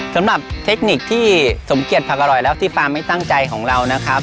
สำหรับเทคนิคที่สมเกียจผักอร่อยแล้วที่ฟาร์มไม่ตั้งใจของเรานะครับ